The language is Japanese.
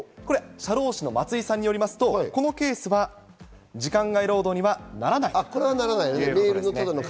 社労士の松井さんよると、このケースは時間外労働にはならないということです。